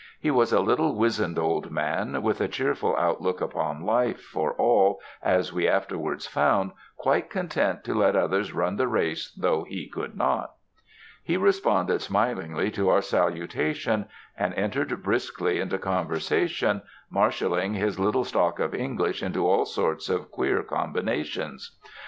He was a little, wizened old man, with a cheerful outlook upon life for all, as we afterwards found, quite content to let others run the race though he could not. He responded smilingly to our salutation, and en tered briskly into conversation, marshalling his little stock of English into all sorts of queer combinations.